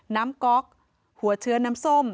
ก๊อกหัวเชื้อน้ำส้ม